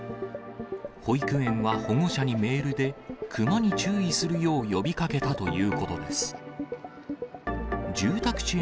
保育園は保護者にメールで、熊に注意するよう呼びかけたということです。